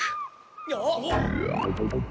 あっ！